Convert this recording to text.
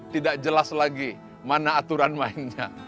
tidak jelas lagi mana aturan mainnya